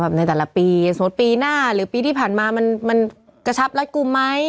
ในแต่ละปีสมมุติปีหน้าหรือปีที่ผ่านมามันกระชับรัดกลุ่มไหม